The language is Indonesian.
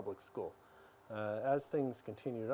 apakah anda mengikuti autism